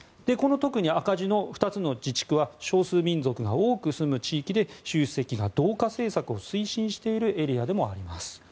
特に赤字の２つの自治区は少数民族が多く住む地域で習主席が同化政策を推進しているエリアでもあります。